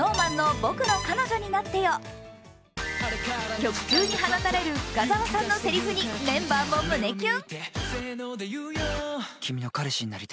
曲中に放たれる深澤さんのせりふにメンバーも胸キュン。